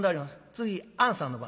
次あんさんの番」。